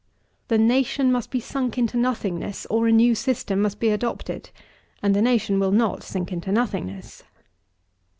The nation must be sunk into nothingness, or a new system must be adopted; and the nation will not sink into nothingness.